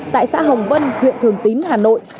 tại xã hồng vân huyện thường tín hà nội